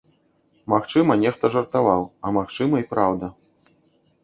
Магчыма, нехта жартаваў, а магчыма, і праўда.